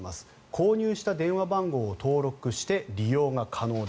購入した電話番号を登録して利用が可能だ。